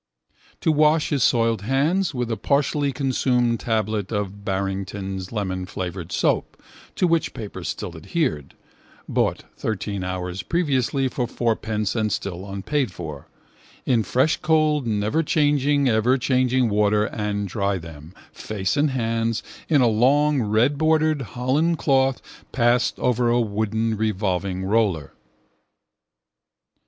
To wash his soiled hands with a partially consumed tablet of Barrington's lemonflavoured soap, to which paper still adhered, (bought thirteen hours previously for fourpence and still unpaid for), in fresh cold neverchanging everchanging water and dry them, face and hands, in a long redbordered holland cloth passed over a wooden revolving roller.